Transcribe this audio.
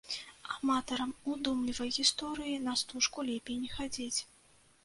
Аматарам удумлівай гісторыі на стужку лепей не хадзіць.